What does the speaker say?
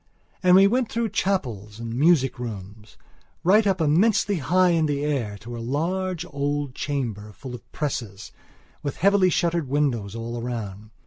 And we went through chapels, and music rooms, right up immensely high in the air to a large old chamber, full of presses, with heavily shuttered windows all round.